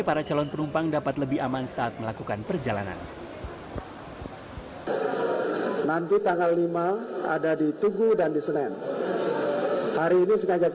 para calon penumpang dapat lebih aman saat melakukan perjalanan